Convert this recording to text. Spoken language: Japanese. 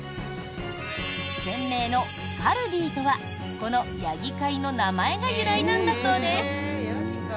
店名のカルディとはこのヤギ飼いの名前が由来なんだそうです。